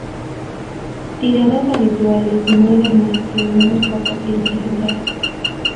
Tiradas habituales no eran más que unos pocos cientos de ejemplares.